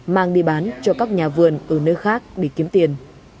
mang đi bán cho các nhà vườn ở nơi khác để kiếm tiền